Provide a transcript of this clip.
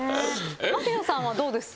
槙野さんはどうです？